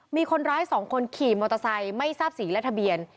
มีคนร้าย๒คนขี่มอเตอร์ไซค์ไม่ทราบสีและทะเบียน